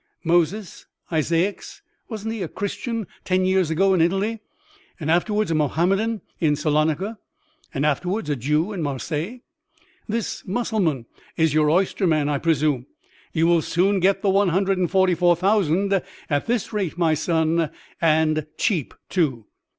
Moses Isaacs: wasn't he a Christian ten years ago in Italy, and afterwards a Mahommedan in Salonica, and afterwards a Jew in Marseilles? This Mussulman is your oyster man, I presume? You will soon get the one hundred and forty four thousand at this rate, my son! and cheap too!"